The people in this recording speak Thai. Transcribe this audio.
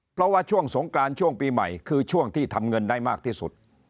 เพราะว่าช่วงสงกรานช่วงปีใหม่คือช่วงที่ทำเงินได้มากที่สุด